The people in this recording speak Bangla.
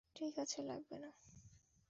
ঠিক আছে, লাগবে না।